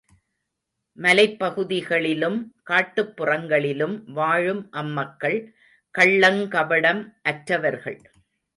மலைப் பகுதிகளிலும் காட்டுப் புறங்களிலும் வாழும் அம் மக்கள் கள்ளங்கபடம் அற்றவர்கள்.